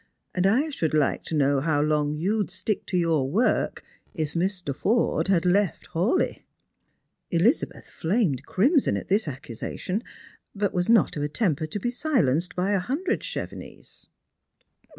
And I should like io know how long you'd stick to your work if Mr. Forde had left Hawleigh ?" Elizabeth flamed crimson at this accusation, but was not of a temper to be silenced by a hundred Chevenixes.